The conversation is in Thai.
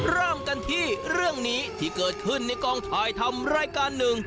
เริ่มกันที่เรื่องนี้ที่เกิดขึ้นในกองถ่ายทำรายการหนึ่ง